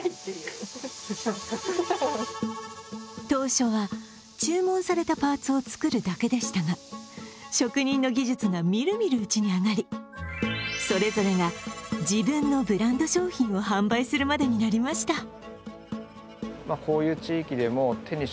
当初は注文されたパーツを作るだけでしたが職人の技術がみるみるうちに上がりそれぞれが自分のブランド商品を販売するまでになりました。